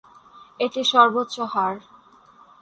এটি সর্বোচ্চ হার।